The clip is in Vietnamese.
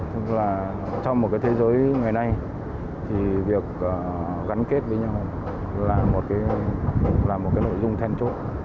tức là trong một cái thế giới ngày nay thì việc gắn kết với nhau là một cái nội dung then chốt